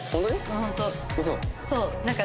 本当？